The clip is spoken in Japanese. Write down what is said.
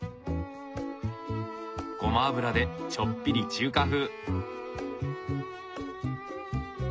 ごま油でちょっぴり中華風。